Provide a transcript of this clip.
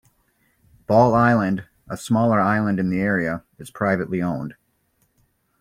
Ball Island, a smaller island in the area, is privately owned.